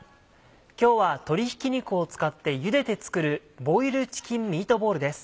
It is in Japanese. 今日は鶏ひき肉を使ってゆでて作る「ボイルチキンミートボール」です。